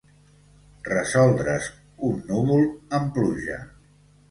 Resoldre's, un núvol, en pluja.